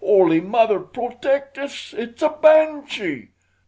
"Holy Mother protect us it's a banshee!"